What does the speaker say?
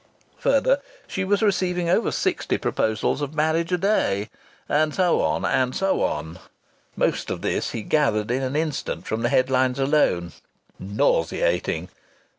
Further, she was receiving over sixty proposals of marriage a day. And so on and so on! Most of this he gathered in an instant from the headlines alone. Nauseating!